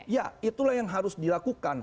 ya itulah yang harus dilakukan